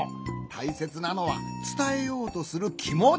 たいせつなのはつたえようとするきもち。